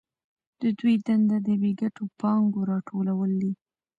د دوی دنده د بې ګټو پانګو راټولول دي